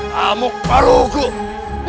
kamu perlu berhubung